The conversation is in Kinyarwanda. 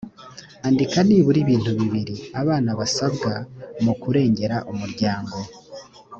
andika nibura ibintu bibiri abana basabwa mu kurengera umuryango